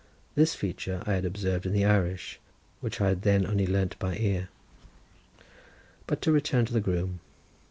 This feature I had observed in the Irish, which I had then only learnt by ear. But to return to the groom.